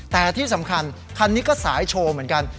แต่ที่สำคัญคันนี้ก็สายโชว์เหมือนกัน